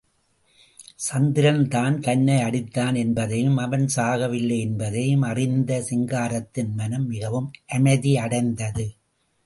சந்திரன் தான் தன்னை அடித்தான் என்பதையும், அவன் சாகவில்லை என்பதையும் அறிந்த சிங்காரத்தின் மனம் மிகவும் அமைதி அடைந்தது.